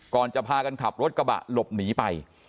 ก่อนจะพากันขับรถกระบะหลบหนีไป